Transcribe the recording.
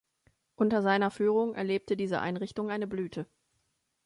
Unter seiner Führung erlebte diese Einrichtung eine Blüte.